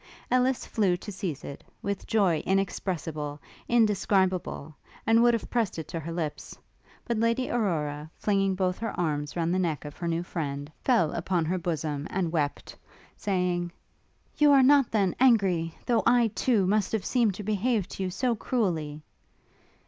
Ellis flew to seize it, with joy inexpressible, indescribable, and would have pressed it to her lips; but Lady Aurora, flinging both her arms round the neck of her new friend, fell upon her bosom, and wept, saying, 'You are not, then, angry, though I, too, must have seemed to behave to you so cruelly?'